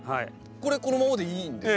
これこのままでいいんですか？